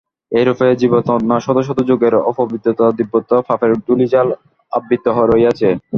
এইরূপে জীবাত্মাও শত শত যুগের অপবিত্রতা, দুর্বৃত্ততা ও পাপের ধূলিজাল আবৃত রহিয়াছে।